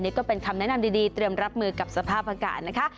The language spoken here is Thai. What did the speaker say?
นี่ก็เป็นคำแนะนำดีเตรียมรับมือกับสภาพอากาศนะคะ